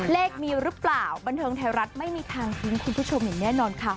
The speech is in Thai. เลขมีหรือเปล่าบันเทิงไทยรัฐไม่มีทางทิ้งคุณผู้ชมอย่างแน่นอนค่ะ